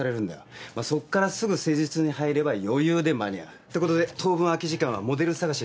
そっからすぐ施術に入れば余裕で間に合う。ってことで当分空き時間はモデル探しに使ってくれ。